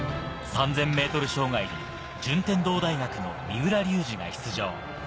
３０００ｍ障害に順天堂大学の三浦龍司が出場。